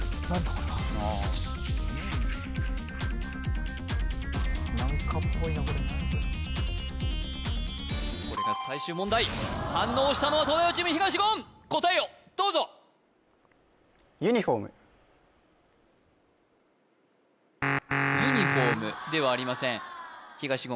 これはこれが最終問題反応したのは東大王チーム東言答えをどうぞユニフォームではありません東言